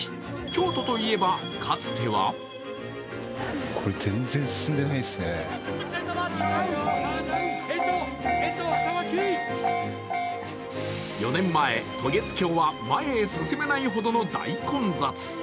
京都といえば、かつては４年前、渡月橋は前へ進めないほどの大混雑。